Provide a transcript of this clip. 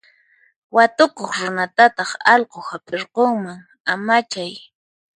Watukuq runatataq allqu hap'irqunman, amachay.